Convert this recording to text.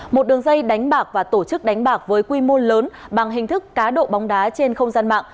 một đường dây đánh bạc và tổ chức đánh bạc với quy mô lớn bằng hình thức cá độ bóng đá trên không gian mạng